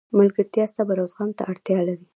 ملګرتیا صبر او زغم ته اړتیا لري.